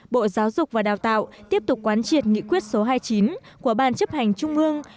bộ giáo dục và đào tạo tiếp tục quán triệt nghị quyết số hai mươi chín của ban chấp hành trung ương